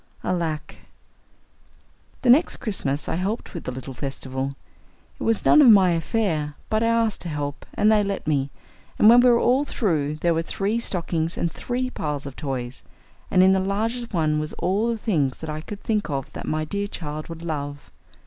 Alack! The next Christmas I helped with the little festival. It was none of my affair, but I asked to help, and they let me, and when we were all through there were three stockings and three piles of toys, and in the largest one was all the things that I could think of that my dear child would love.